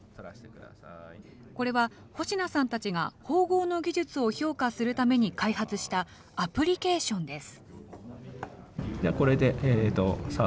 これは保科さんたちが縫合の技術を評価するために開発したアプリケーションです。